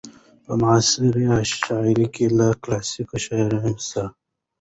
په معاصره شاعرۍ کې له کلاسيکې شاعرۍ سره